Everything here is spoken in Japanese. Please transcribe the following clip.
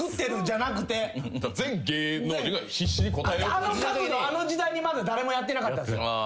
あの角度あの時代にまだ誰もやってなかったです。